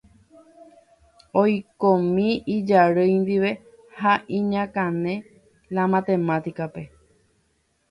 oikómi ijarýi ndive ha iñakãne la matemática-pe.